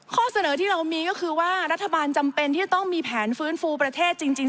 ข้อเสนอที่เรามีก็คือว่ารัฐบาลจำเป็นที่จะต้องมีแผนฟื้นฟูประเทศจริง